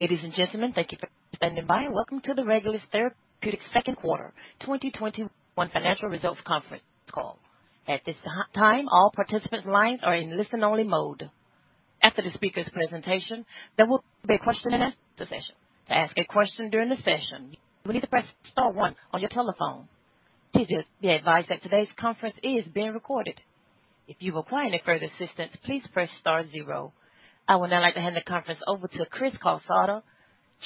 Ladies and gentlemen, thank you for standing by. Welcome to the Regulus Therapeutics 2nd quarter 2021 financial results conference call. At this time, all participants' lines are in listen-only mode. After the speakers' presentation, there will be a question and answer session. To ask a question during the session, you will need to press star one on your telephone. Please be advised that today's conference is being recorded. If you require any further assistance, please press star zero. I would now like to hand the conference over to Cris Calsada,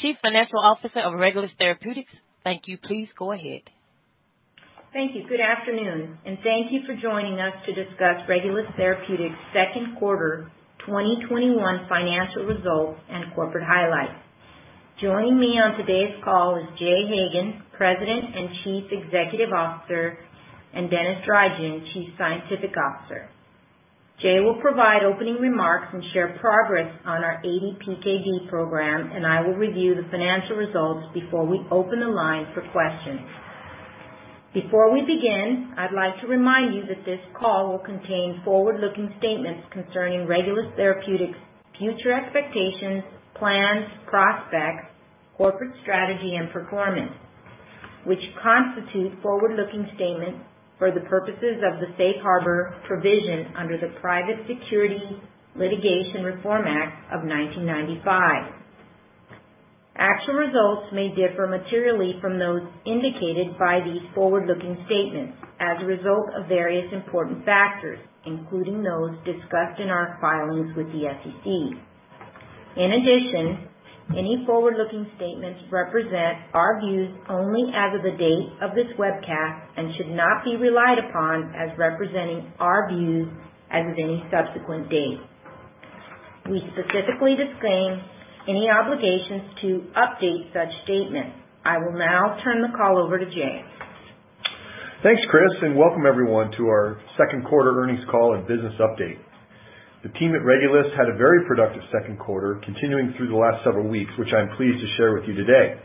Chief Financial Officer of Regulus Therapeutics. Thank you. Please go ahead. Thank you. Good afternoon, and thank you for joining us to discuss Regulus Therapeutics' second quarter 2021 financial results and corporate highlights. Joining me on today's call is Jay Hagan, President and Chief Executive Officer, and Denis Drygin, Chief Scientific Officer. Jay will provide opening remarks and share progress on our ADPKD program. I will review the financial results before we open the line for questions. Before we begin, I'd like to remind you that this call will contain forward-looking statements concerning Regulus Therapeutics' future expectations, plans, prospects, corporate strategy and performance, which constitute forward-looking statements for the purposes of the safe harbor provision under the Private Securities Litigation Reform Act of 1995. Actual results may differ materially from those indicated by these forward-looking statements as a result of various important factors, including those discussed in our filings with the SEC. In addition, any forward-looking statements represent our views only as of the date of this webcast and should not be relied upon as representing our views as of any subsequent date. We specifically disclaim any obligations to update such statements. I will now turn the call over to Jay. Thanks, Cris, welcome everyone to our second quarter earnings call and business update. The team at Regulus had a very productive second quarter, continuing through the last several weeks, which I am pleased to share with you today.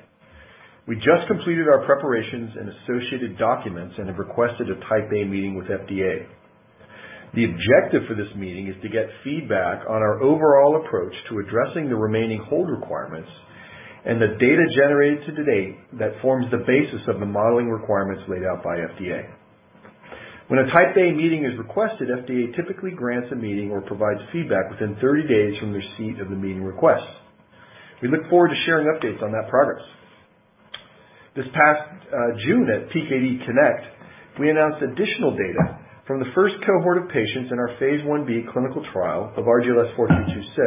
We just completed our preparations and associated documents and have requested a Type A meeting with FDA. The objective for this meeting is to get feedback on our overall approach to addressing the remaining hold requirements and the data generated to date that forms the basis of the modeling requirements laid out by FDA. When a Type A meeting is requested, FDA typically grants a meeting or provides feedback within 30 days from receipt of the meeting request. We look forward to sharing updates on that progress. This past June at PKD Connect, we announced additional data from the first cohort of patients in our Phase Ib clinical trial of RGLS4326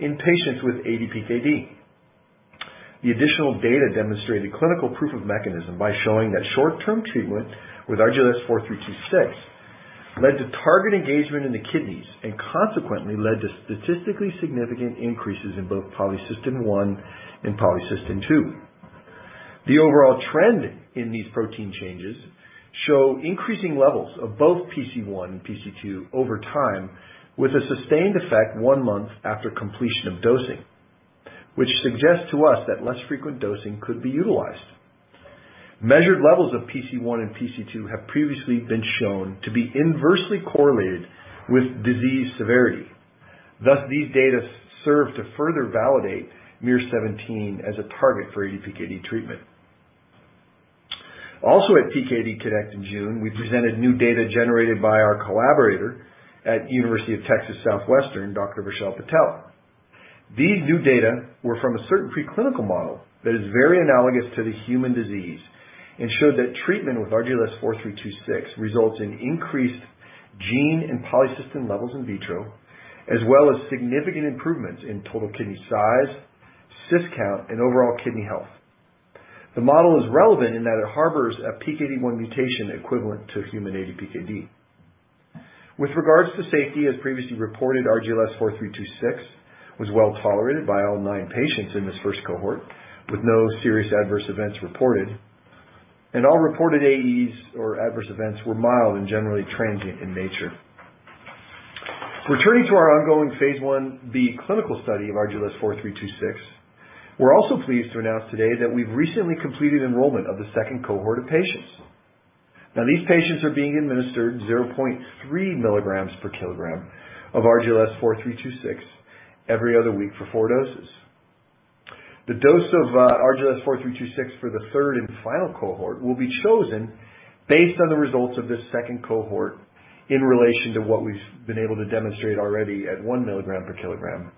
in patients with ADPKD. The additional data demonstrated clinical proof of mechanism by showing that short-term treatment with RGLS4326 led to target engagement in the kidneys and consequently led to statistically significant increases in both polycystin-1 and polycystin-2. The overall trend in these protein changes show increasing levels of both PC1 and PC2 over time, with a sustained effect one month after completion of dosing, which suggests to us that less frequent dosing could be utilized. Measured levels of PC1 and PC2 have previously been shown to be inversely correlated with disease severity. Thus, these data serve to further validate miR-17 as a target for ADPKD treatment. At PKD Connect in June, we presented new data generated by our collaborator at University of Texas Southwestern, Dr. Vishal Patel. These new data were from a certain preclinical model that is very analogous to the human disease and showed that treatment with RGLS4326 results in increased gene and polycystin levels in vitro, as well as significant improvements in total kidney size, cyst count, and overall kidney health. The model is relevant in that it harbors a PKD1 mutation equivalent to human ADPKD. With regards to safety, as previously reported, RGLS4326 was well-tolerated by all nine patients in this first cohort, with no serious adverse events reported. All reported AEs or adverse events were mild and generally transient in nature. Returning to our ongoing phase Ib clinical study of RGLS4326, we're also pleased to announce today that we've recently completed enrollment of the second cohort of patients. These patients are being administered 0.3 mg per kilogram of RGLS4326 every other week for four doses. The dose of RGLS4326 for the third and final cohort will be chosen based on the results of this second cohort in relation to what we've been able to demonstrate already at 1 mg per kilogram.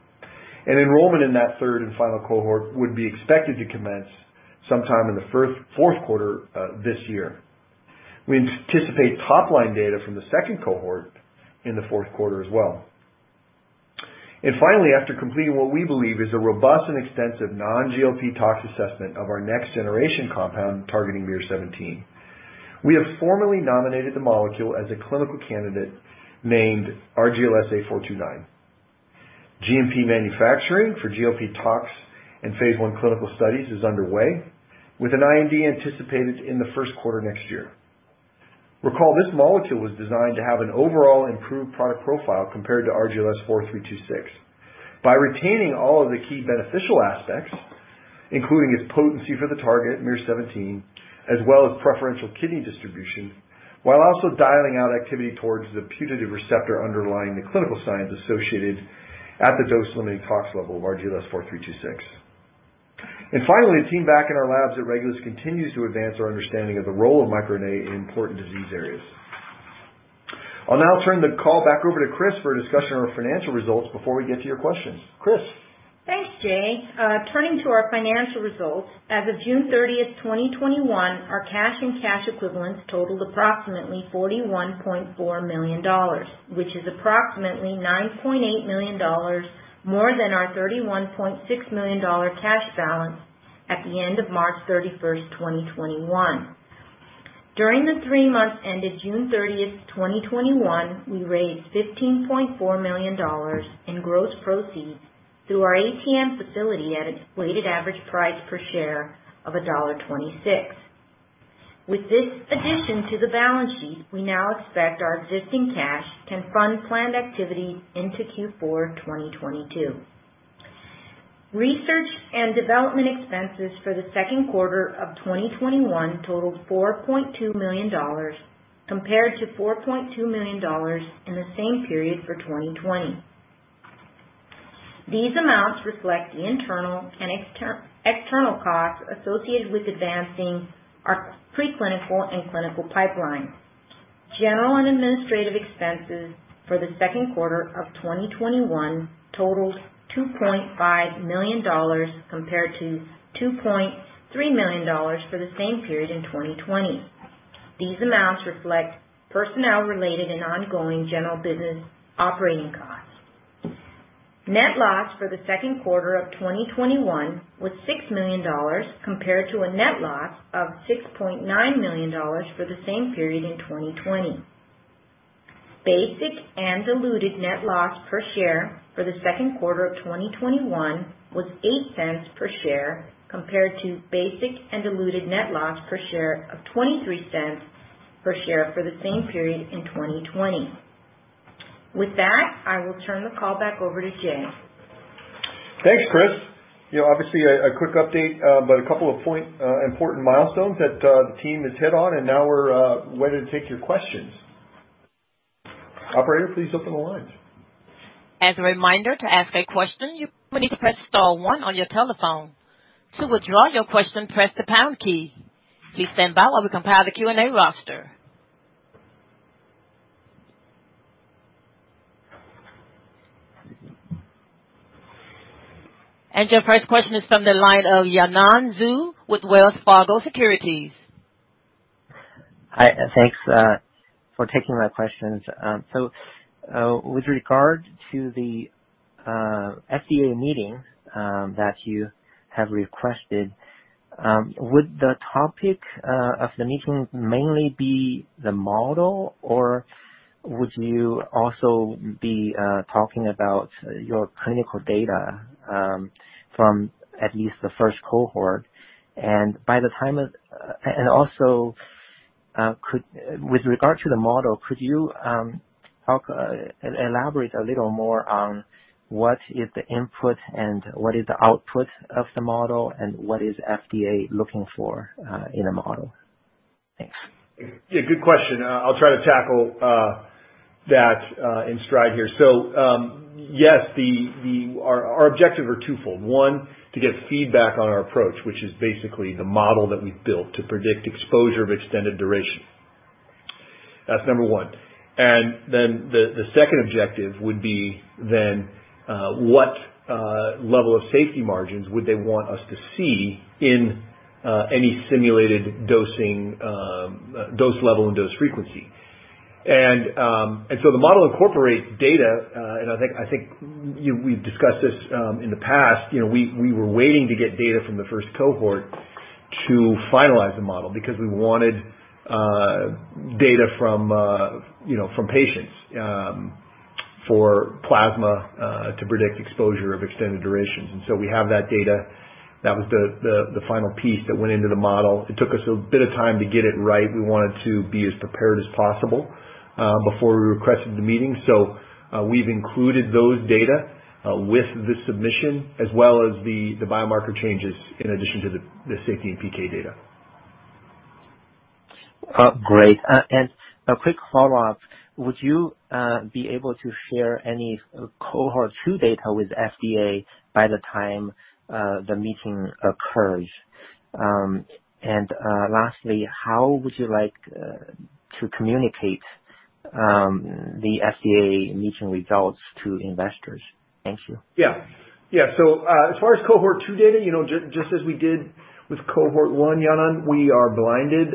Enrollment in that third and final cohort would be expected to commence sometime in the fourth quarter this year. We anticipate top-line data from the second cohort in the fourth quarter as well. Finally, after completing what we believe is a robust and extensive non-GLP tox assessment of our next generation compound targeting miR-17, we have formally nominated the molecule as a clinical candidate named RGLS8429. GMP manufacturing for GLP tox and phase I clinical studies is underway, with an IND anticipated in the first quarter next year. Recall, this molecule was designed to have an overall improved product profile compared to RGLS4326 by retaining all of the key beneficial aspects, including its potency for the target, miR-17, as well as preferential kidney distribution, while also dialing out activity towards the putative receptor underlying the clinical signs associated at the dose-limiting tox level of RGLS4326. Finally, the team back in our labs at Regulus continues to advance our understanding of the role of microRNA in important disease areas. I'll now turn the call back over to Cris for a discussion on our financial results before we get to your questions. Cris? Thanks, Jay. Turning to our financial results, as of June 30th, 2021, our cash and cash equivalents totaled approximately $41.4 million, which is approximately $9.8 million more than our $31.6 million cash balance at the end of March 31st, 2021. During the three months ended June 30th, 2021, we raised $15.4 million in gross proceeds through our ATM facility at a weighted average price per share of $1.26. With this addition to the balance sheet, we now expect our existing cash can fund planned activities into Q4 2022. Research and development expenses for the second quarter of 2021 totaled $4.2 million compared to $4.2 million in the same period for 2020. This amount reflect the internal and external cost associated with the [inaudible] of pre-clinical and clinical pipeline. General and administrative expenses for the second quarter of 2021 totaled $2.5 million compared to $2.3 million for the same period in 2020. These amounts reflect personnel related and ongoing general business operating costs. Net loss for the second quarter of 2021 was $6 million compared to a net loss of $6.9 million for the same period in 2020. Basic and diluted net loss per share for the second quarter of 2021 was $0.08 per share compared to basic and diluted net loss per share of $0.23 per share for the same period in 2020. With that, I will turn the call back over to Jay. Thanks, Chris. Obviously a quick update, but a couple of important milestones that the team is hit on, and now we're ready to take your questions. Operator, please open the lines. As a reminder, to ask a question, you will need to press star one on your telephone. To withdraw your question, press the pound key. Please stand by while we compile the Q&A roster. Your first question is from the line of Yanan Zhu with Wells Fargo Securities. Hi. Thanks for taking my questions. With regard to the FDA meeting that you have requested, would the topic of the meeting mainly be the model, or would you also be talking about your clinical data from at least the first cohort? With regard to the model, could you elaborate a little more on what is the input and what is the output of the model, and what is FDA looking for in a model? Thanks. Yeah, good question. I'll try to tackle that in stride here. Yes, our objective are twofold. One, to get feedback on our approach, which is basically the model that we've built to predict exposure of extended duration. That's number one. The second objective would be then, what level of safety margins would they want us to see in any simulated dose level and dose frequency? The model incorporates data, and I think we've discussed this in the past. We were waiting to get data from the first cohort to finalize the model because we wanted data from patients for plasma to predict exposure of extended durations. We have that data. That was the final piece that went into the model. It took us a bit of time to get it right. We wanted to be as prepared as possible before we requested the meeting. We've included those data with the submission as well as the biomarker changes in addition to the safety and PK data. Great. A quick follow-up, would you be able to share any Cohort 2 data with FDA by the time the meeting occurs? Lastly, how would you like to communicate the FDA meeting results to investors? Thank you. As far as Cohort 2 data, just as we did with Cohort 1, Yanan, we are blinded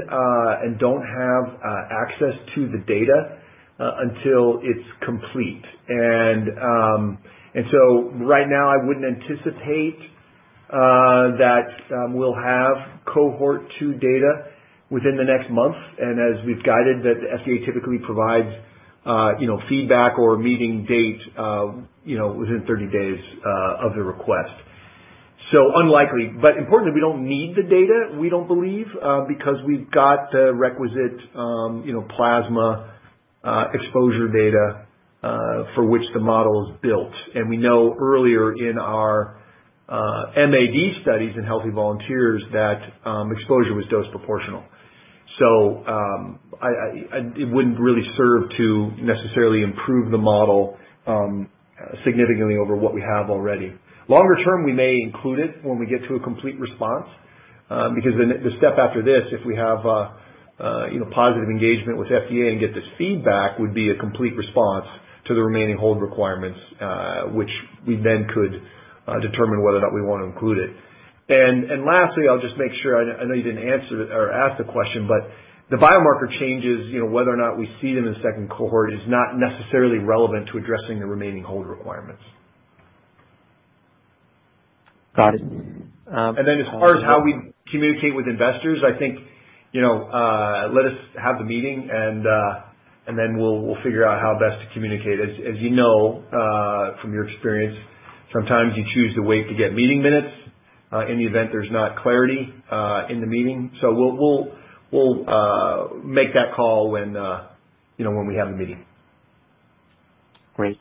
and don't have access to the data until it's complete. Right now, I wouldn't anticipate that we'll have Cohort 2 data within the next month. As we've guided, the FDA typically provides feedback or a meeting date within 30 days of the request. Unlikely, but importantly, we don't need the data, we don't believe, because we've got the requisite plasma exposure data for which the model is built. We know earlier in our MAD studies in healthy volunteers that exposure was dose proportional. It wouldn't really serve to necessarily improve the model significantly over what we have already. Longer term, we may include it when we get to a complete response, because the step after this, if we have positive engagement with FDA and get this feedback, would be a complete response to the remaining hold requirements, which we then could determine whether or not we want to include it. Lastly, I'll just make sure, I know you didn't ask the question, but the biomarker changes, whether or not we see them in the second cohort is not necessarily relevant to addressing the remaining hold requirements. Got it. As far as how we communicate with investors, I think, let us have the meeting and then we'll figure out how best to communicate. As you know from your experience, sometimes you choose to wait to get meeting minutes, in the event there's not clarity in the meeting. We'll make that call when we have the meeting. Great.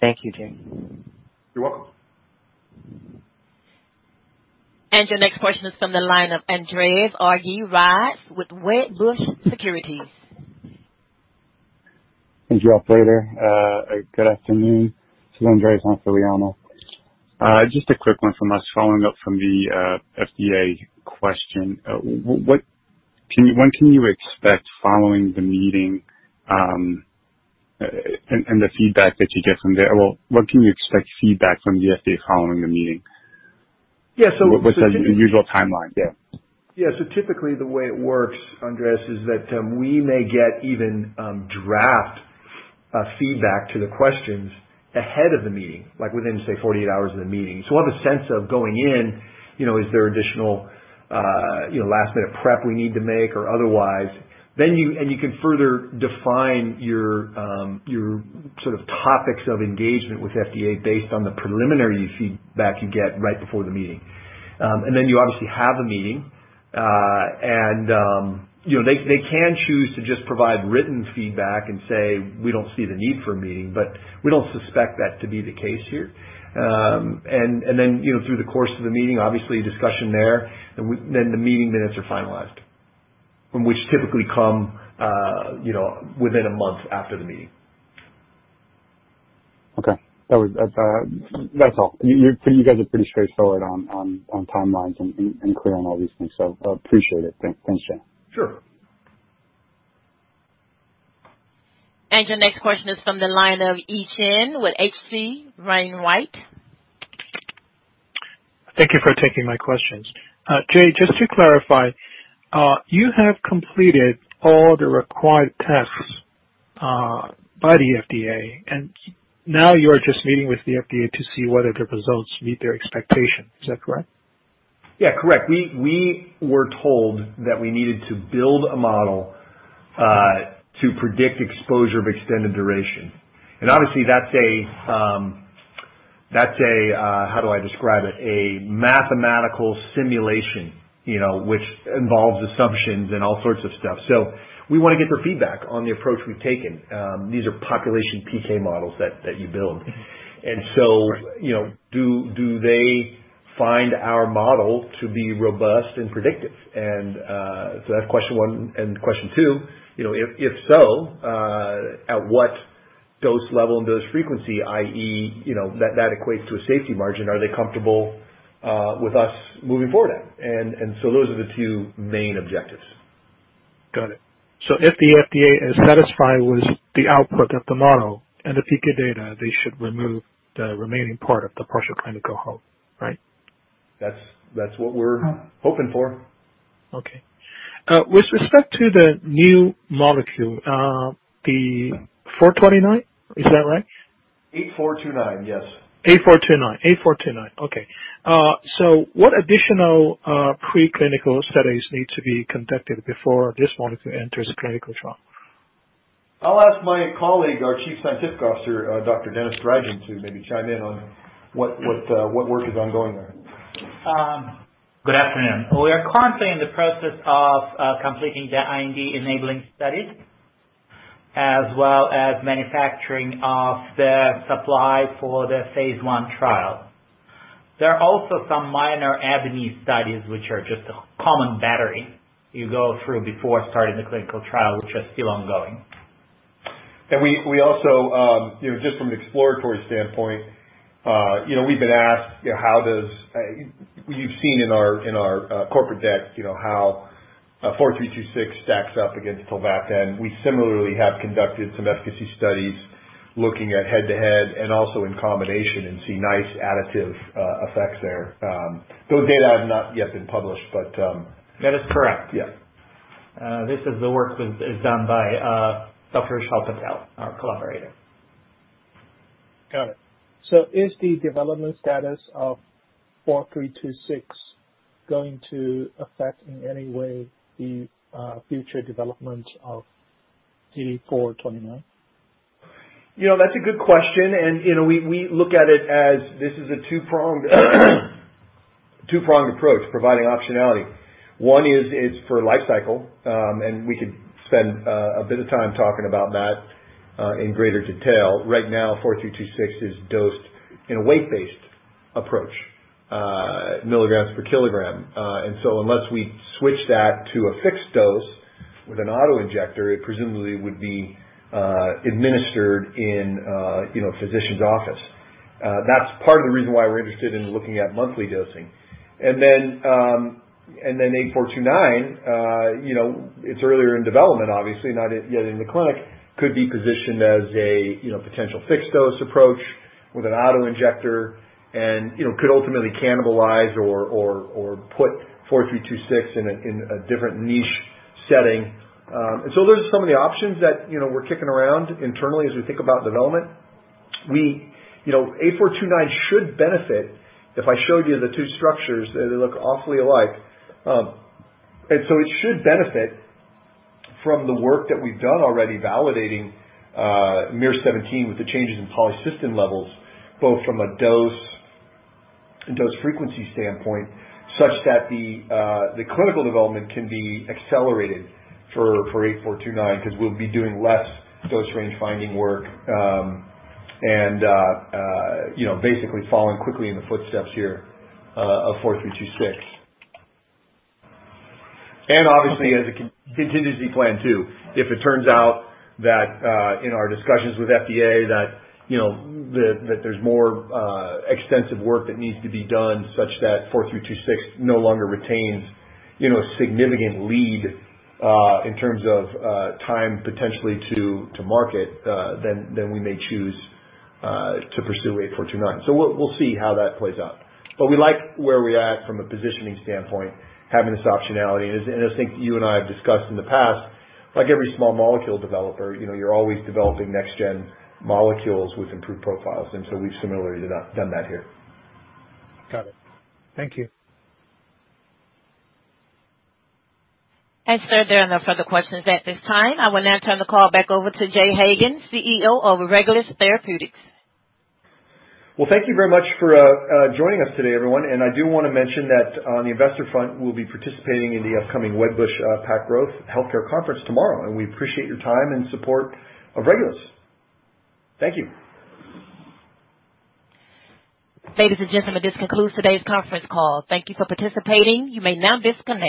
Thank you, Jay. You're welcome. Your next question is from the line of Andreas Argyrides with Wedbush Securities. You're up, later. Good afternoon. This is Andreas Argyrides. Just a quick one from us following up from the FDA question. When can you expect, following the meeting, and the feedback that you get from there, well, when can you expect feedback from the FDA following the meeting? Yeah. What's the usual timeline there? Typically the way it works, Andreas, is that we may get even draft feedback to the questions ahead of the meeting, like within, say, 48 hours of the meeting. We'll have a sense of going in, is there additional last-minute prep we need to make or otherwise. You can further define your topics of engagement with FDA based on the preliminary feedback you get right before the meeting. Then you obviously have a meeting, and they can choose to just provide written feedback and say, we don't see the need for a meeting, but we don't suspect that to be the case here. Then, through the course of the meeting, obviously a discussion there, and then the meeting minutes are finalized, which typically come within a month after the meeting. Okay. That's all. You guys are pretty straightforward on timelines and clear on all these things, so I appreciate it. Thanks, Jay. Sure. Your next question is from the line of Yi Chen with H.C. Wainwright. Thank you for taking my questions. Jay, just to clarify, you have completed all the required tests, by the FDA, now you are just meeting with the FDA to see whether the results meet their expectation. Is that correct? Yeah, correct. We were told that we needed to build a model to predict exposure of extended duration. Obviously that's a mathematical simulation, which involves assumptions and all sorts of stuff. We want to get their feedback on the approach we've taken. These are population PK models that you build. Right. Do they find our model to be robust and predictive? That's question one and question two, if so, at what dose level and dose frequency, i.e., that equates to a safety margin, are they comfortable with us moving forward then? Those are the two main objectives. Got it. If the FDA is satisfied with the output of the model and the PK data, they should remove the remaining part of the partial clinical hold, right? That's what we're hoping for. Okay. With respect to the new molecule, the 429, is that right? 8429. Yes. 8429. Okay. What additional preclinical studies need to be conducted before this molecule enters a clinical trial? I'll ask my colleague, our Chief Scientific Officer, Dr. Denis Drygin, to maybe chime in on what work is ongoing there. Good afternoon. We are currently in the process of completing the IND enabling studies, as well as manufacturing of the supply for the phase I trial. There are also some minor AEs studies which are just a common battery you go through before starting the clinical trial, which are still ongoing. We also, just from an exploratory standpoint, we've been asked, you've seen in our corporate deck how 4326 stacks up against tolvaptan. We similarly have conducted some efficacy studies looking at head-to-head and also in combination and see nice additive effects there. Those data have not yet been published. That is correct. Yeah. This is the work that is done by Dr. Sheldon Pell, our collaborator. Got it. Is the development status of 4326 going to affect in any way the future developments of 8429? That's a good question. We look at it as this is a two-pronged approach providing optionality. One is for lifecycle, and we could spend a bit of time talking about that in greater detail. Right now, 4326 is dosed in a weight-based approach, milligrams per kilogram. Unless we switch that to a fixed dose with an auto-injector, it presumably would be administered in a physician's office. That's part of the reason why we're interested in looking at monthly dosing. 8429, it's earlier in development, obviously, not yet in the clinic, could be positioned as a potential fixed dose approach with an auto-injector and could ultimately cannibalize or put 4326 in a different niche setting. Those are some of the options that we're kicking around internally as we think about development. 8429 should benefit. If I showed you the two structures, they look awfully alike. It should benefit from the work that we've done already validating miR-17 with the changes in polycystin levels, both from a dose frequency standpoint, such that the clinical development can be accelerated for 8429 because we'll be doing less dose range finding work and basically following quickly in the footsteps here of 4326. Obviously as a contingency plan, too. If it turns out that in our discussions with FDA that there's more extensive work that needs to be done such that 4326 no longer retains a significant lead in terms of time potentially to market, then we may choose to pursue 8429. We'll see how that plays out. We like where we're at from a positioning standpoint, having this optionality. As I think you and I have discussed in the past, like every small molecule developer, you're always developing next gen molecules with improved profiles. We've similarly done that here. Got it. Thank you. Sir, there are no further questions at this time. I will now turn the call back over to Jay Hagan, CEO of Regulus Therapeutics. Well, thank you very much for joining us today, everyone. I do want to mention that on the investor front, we'll be participating in the upcoming Wedbush PacGrow Healthcare Conference tomorrow, and we appreciate your time and support of Regulus. Thank you. Ladies and gentlemen, this concludes today's conference call. Thank you for participating. You may now disconnect.